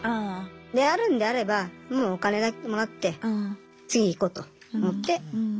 であるんであればもうお金だけもらって次いこうと思って。